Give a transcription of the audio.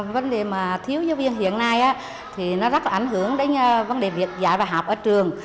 vấn đề mà thiếu giáo viên hiện nay thì nó rất là ảnh hưởng đến vấn đề việc dạy và học ở trường